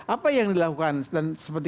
apa yang dilakukan dan seperti